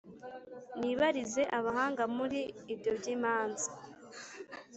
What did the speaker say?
Nibarize abahanga Muri ibyo by’imanza